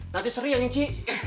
nanti sri yang nyuci